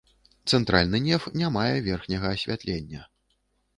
Цэнтральны неф не мае верхняга асвятлення.